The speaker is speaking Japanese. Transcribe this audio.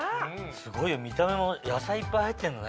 すごいよ見た目も野菜いっぱい入ってんのね。